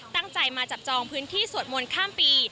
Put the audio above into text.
ตั้งใจมาจับจองพื้นที่สวดมนต์ข้ามปี